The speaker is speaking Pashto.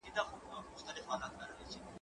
زه له سهاره لاس پرېولم؟